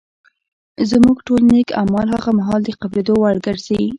زموږ ټول نېک اعمال هغه مهال د قبلېدو وړ ګرځي